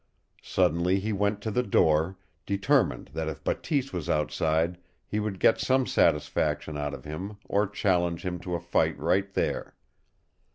Suddenly he went to the door, determined that if Bateese was outside he would get some satisfaction out of him or challenge him to a fight right there.